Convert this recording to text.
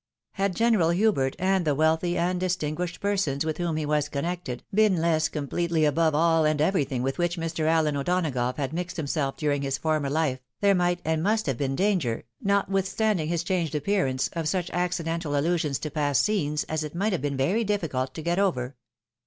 Had General Hubert, and the wealthy and distinguished persons with whom he was connected, been less completely above all and everything with which Mr. AUen O'Donagough had mixed himself during his former life, there migtt, and must have been danger, notwithstanding his changed appearance, of such accidental allusions to past scenes, as it might have been very difficult to get over.